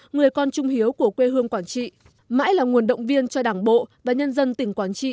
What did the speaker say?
người con trung hiếu của quê hương quảng trị mãi là nguồn động viên cho đảng bộ và nhân dân tỉnh quảng trị